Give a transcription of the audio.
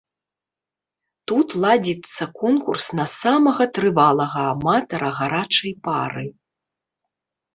Тут ладзіцца конкурс на самага трывалага аматара гарачай пары.